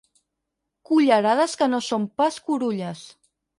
Cullerades que no són pas curulles.